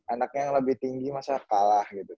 anaknya yang lebih tinggi masa kalah gitu